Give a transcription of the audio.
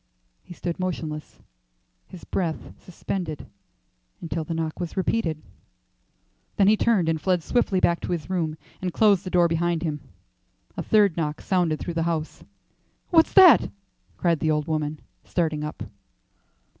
He stood motionless, his breath suspended until the knock was repeated. Then he turned and fled swiftly back to his room, and closed the door behind him. A third knock sounded through the house. "What's that?" cried the old woman, starting up.